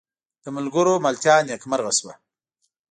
د ملګرو ملتیا نیکمرغه شوه.